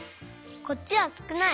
こっちはすくない！